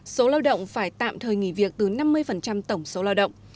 số lao động phải tạm thời nghỉ việc từ năm mươi tổng số lao động